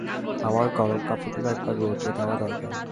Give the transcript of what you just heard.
আমার গরম কাপড়গুলা একবার রৌদ্রে দেওয়া দরকার।